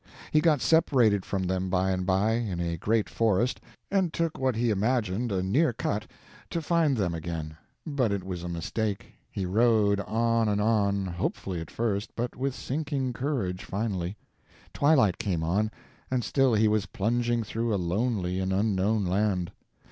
He got separated from them by and by, in a great forest, and took what he imagined a near cut, to find them again; but it was a mistake. He rode on and on, hopefully at first, but with sinking courage finally. Twilight came on, and still he was plunging through a lonely and unknown land.